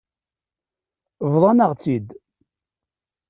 Bḍan-aɣ-tt-id.